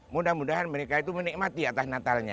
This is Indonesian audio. mudah mudahan mereka itu menikmati atas natalnya